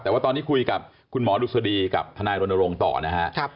แต่ว่าตอนนี้คุยกับคุณหมอดุษฎีกับทนายรณรงค์ต่อนะฮะ